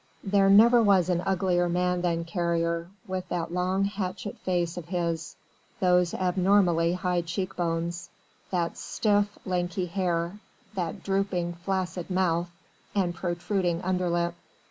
There never was an uglier man than Carrier, with that long hatchet face of his, those abnormally high cheekbones, that stiff, lanky hair, that drooping, flaccid mouth and protruding underlip.